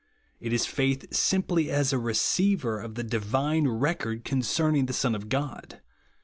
It is faith, simply as a receiver of the divine record concerning the Son of God.